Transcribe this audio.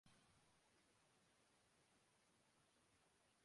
ان کی سوانح حیات، خود ان کے قلم سے مرتب موجود ہے۔